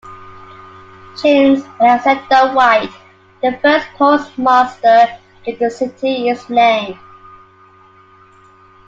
James Alexander White, the first postmaster, gave the city its name.